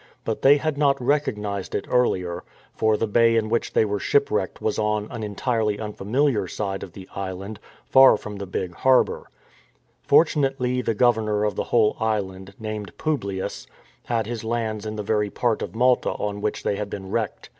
But they had not recognized it earlier, for the bay in which they were shipwrecked was on an entirely unfamiliar side of the island, far from the big harbour. Fortunately the governor of the whole island, named Publius, had his lands in the very part of Malta on which they had 336 FINISHING THE COURSE been wrecked.